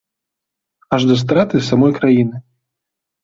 Аж да страты самой краіны.